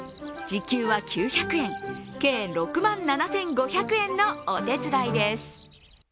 時給は９００円、計６万７５００円のお手伝いです。